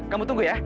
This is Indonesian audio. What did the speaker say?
kamu tunggu ya